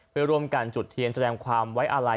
เพื่อร่วมกันจุดเทียนแสดงความไว้อาลัย